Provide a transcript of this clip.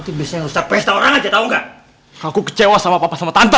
dewa dewa cukup kamu bisa pesta orang aja tahu nggak aku kecewa sama papa sama tante